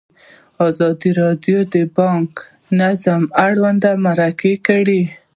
ازادي راډیو د بانکي نظام اړوند مرکې کړي.